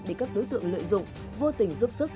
bị các đối tượng lợi dụng vô tình giúp sức